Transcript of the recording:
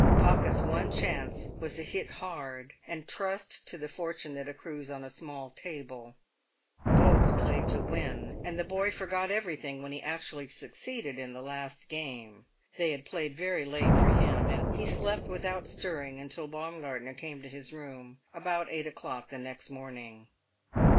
Pocket's one chance was to hit hard and trust to the fortune that accrues on a small table. Both played to win, and the boy forgot everything when he actually succeeded in the last game. They had played very late for him, and he slept without stirring until Baumgartner came to his room about eight o'clock next morning.